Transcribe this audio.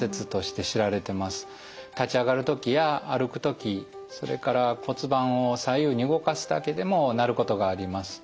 立ち上がる時や歩く時それから骨盤を左右に動かすだけでも鳴ることがあります。